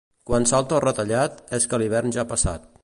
Quan salta el retallat és que l'hivern ja està passat.